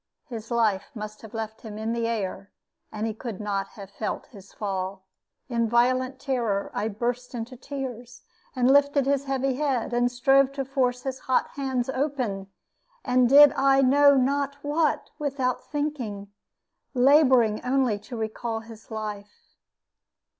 His life must have left him in the air, and he could not even have felt his fall. In violent terror, I burst into tears, and lifted his heavy head, and strove to force his hot hands open, and did I know not what, without thinking, laboring only to recall his life.